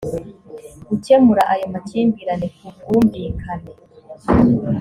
gukemura ayo makimbirane ku bwumvikane